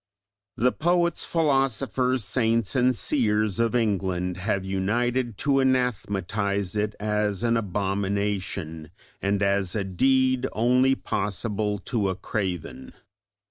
The poets, philosophers, saints and seers of England have united to anathematise it as an abomination, and as a deed only possible to a craven.